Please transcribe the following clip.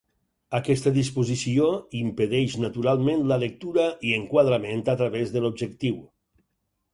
Aquesta disposició impedeix naturalment la lectura i enquadrament a través de l'objectiu.